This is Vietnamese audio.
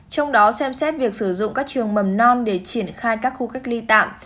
trong đó xem xét việc sử dụng các trường mầm non để triển khai các khu cách ly tạm